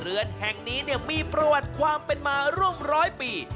เรือนแห่งนี้มีประวัติความเป็นมาร่วมร้อยปี